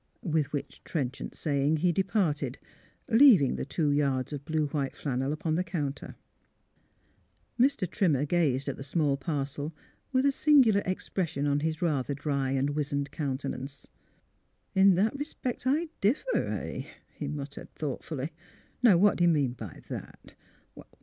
With which trenchant saying he departed, leav ing the two yards of blue white flannel upon the counter. Mr. Trimmer gazed at the small parcel with a singular expression on his rather dry and wiz ened countenance. 3 THE PAEISH HEARS THE NEWS 313 " In that respect I differ, — eh? " he muttered, thoughtfully. " Now what'd he mean b' that?